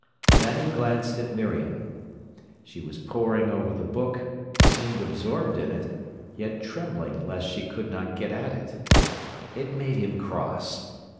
Then he glanced at Miriam. She was poring over the book, seemed absorbed in it, yet trembling lest she could not get at it. It made him cross.